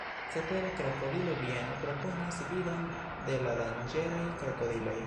Cetere, krokodilo-bieno proponas vidon de la danĝeraj krokodiloj.